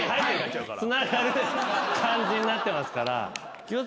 つながる感じになってますから。